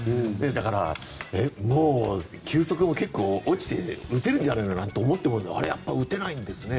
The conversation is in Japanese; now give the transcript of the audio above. だから、もう球速も結構落ちて打てるんじゃないかなと思ったけど、打てないんですね。